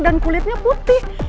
dan kulitnya putih